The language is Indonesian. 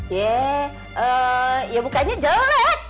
ya ya bukannya jelek